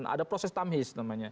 ada proses tamhis namanya